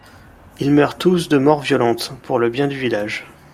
Ils meurent tous de mort violente, pour le bien du village.